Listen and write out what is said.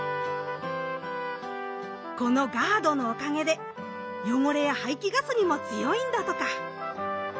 このガードのおかげで汚れや排気ガスにも強いんだとか！